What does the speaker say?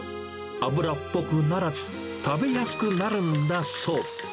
あぶらっぽくならず、食べやすくなるんだそう。